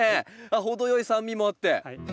程よい酸味もあって。